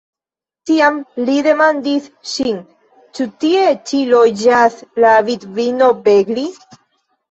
Tiam li demandis ŝin: "Ĉu tie ĉi loĝas la vidvino Begli?"